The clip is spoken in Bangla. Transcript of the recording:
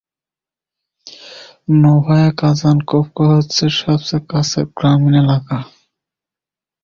নোভায়া কাজানকোভকা হচ্ছে সবচেয়ে কাছের গ্রামীণ এলাকা।